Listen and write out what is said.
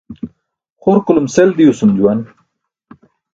Xurkulum sel diwsum juwan.